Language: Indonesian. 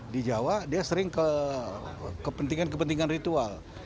di jawa dia sering kepentingan kepentingan ritual